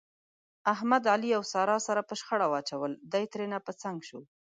احمد، علي او ساره سره په شخړه واچول، دی ترېنه په څنګ شو.